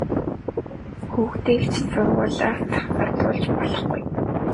Хүүхдийг ч сургуулиас завсардуулж болохгүй!